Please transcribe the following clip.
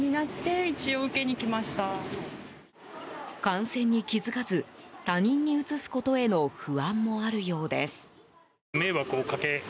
感染に気付かず他人にうつすことへの不安もあるようです。